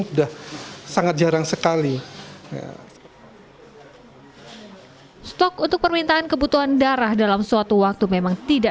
sudah sangat jarang sekali stok untuk permintaan kebutuhan darah dalam suatu waktu memang tidak